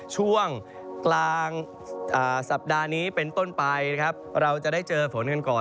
ช่วงกลางสัปดาห์นี้เป็นต้นไปนะครับเราจะได้เจอฝนกันก่อน